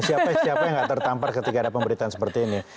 siapa siapa yang nggak tertampar ketika ada pemberitaan seperti ini